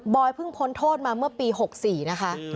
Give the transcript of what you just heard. เพิ่งพ้นโทษมาเมื่อปี๖๔นะคะ